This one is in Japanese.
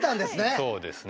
そうですね。